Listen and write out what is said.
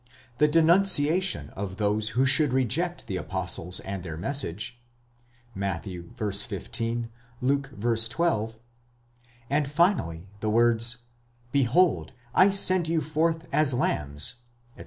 the denunciation of those who should reject the apostles and their message (Matt. v. 15; Luke v. 12); and finally, the words, Behold, I send you forth as lambs, etc.